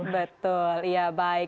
betul iya baik